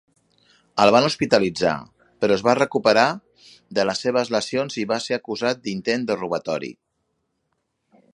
El van hospitalitzar, però es va recuperar de les seves lesions i va ser acusat d"intent de robatori.